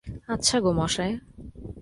আচ্ছা গো মশায়!